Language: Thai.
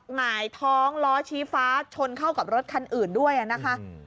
หงายท้องล้อชี้ฟ้าชนเข้ากับรถคันอื่นด้วยนะคะ